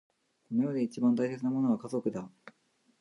この世で一番大切なものは家族だ。